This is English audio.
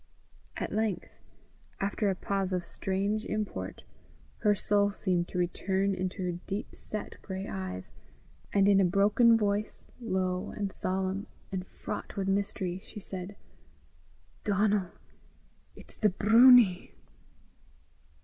At length, after a pause of strange import, her soul seemed to return into her deep set grey eyes, and in a broken voice, low, and solemn, and fraught with mystery, she said, "Donal, it's the broonie!"